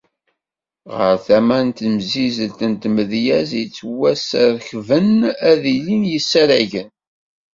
Ɣer tama n temsizzelt n tmedyazt yettwasrekben ad ilin yisaragen.